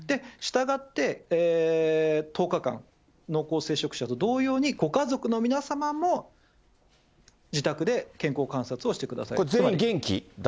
したがって、１０日間、濃厚接触者と同様に、ご家族の皆様も自宅で健康観察をしてくださいと。